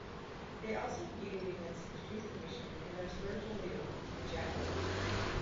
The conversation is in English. They also feuded against the Truth Commission and their spiritual leader, The Jackyl.